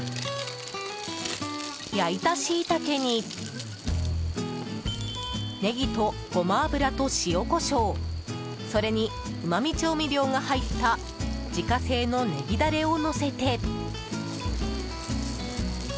焼いたシイタケにネギとごま油と塩、コショウそれに、うまみ調味料が入った自家製のネギダレをのせて。